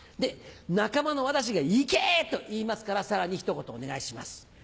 仲間の私が「行け！」と言いますからさらに一言お願いします。